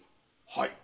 はい。